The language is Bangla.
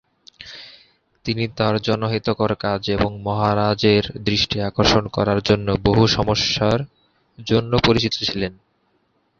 তিনি তাঁর জনহিতকর কাজ এবং মহারাজের দৃষ্টি আকর্ষণ করার জন্য বহু সমস্যার জন্য পরিচিত ছিলেন।